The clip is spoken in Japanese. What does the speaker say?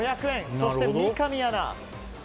そして三上アナ